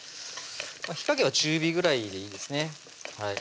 火加減は中火ぐらいでいいですね